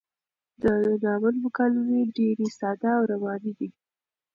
د ناول مکالمې ډېرې ساده او روانې دي.